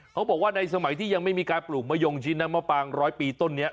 เขาบอกว่าในสมัยที่ยังไม่มีการปลูกมะยงชิ้นน้ำมะปางร้อยปีต้นนี้